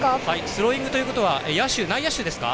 スローイングということは内野手ですか？